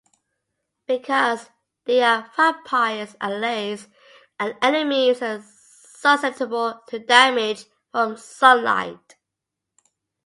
Because they are vampires, allies and enemies are susceptible to damage from sunlight.